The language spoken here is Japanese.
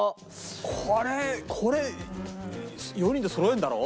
これこれ４人でそろえるんだろ？